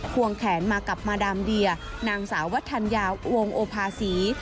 วงแขนมากับมาดามเดียนางสาววัฒนยาวงโอภาษี